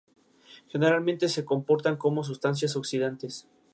Generalmente se comportan como sustancias oxidantes.